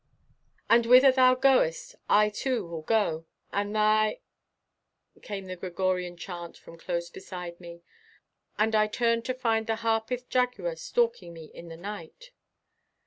"'And whither thou goest I too will go, and thy '" came the Gregorian chant from close beside me, and I turned to find the Harpeth Jaguar stalking me in the night.